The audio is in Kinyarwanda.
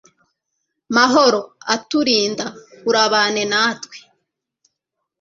mahoro aturinda, urabane natwe